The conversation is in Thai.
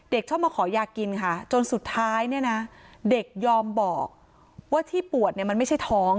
ชอบมาขอยากินค่ะจนสุดท้ายเนี่ยนะเด็กยอมบอกว่าที่ปวดเนี่ยมันไม่ใช่ท้อง